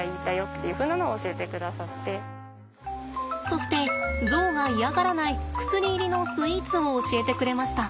そしてゾウが嫌がらない薬入りのスイーツを教えてくれました。